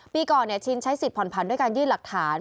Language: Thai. ปีก่อนชินใช้สิทธิผ่อนผันด้วยการยื่นหลักฐาน